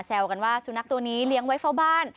กันว่าสุนัขตัวนี้เลี้ยงไว้เฝ้าบ้าน